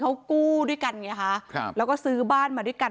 เขากู้ด้วยกันไงฮะครับแล้วก็ซื้อบ้านมาด้วยกัน